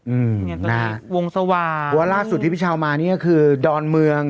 อืมนะฮะวงสว่างที่พี่เช้ามานี่ครับล่าสุดคือดอนเมือง